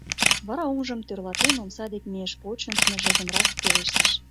Вара, оҥжым тӧрлатен, омса дек мийыш, почын, ныжылгынрак пелештыш: